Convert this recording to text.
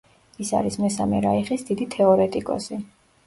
ის არის მესამე რაიხის დიდი თეორეტიკოსი.